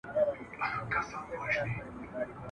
پام چي توی نه کړې مرغلیني اوښکي !.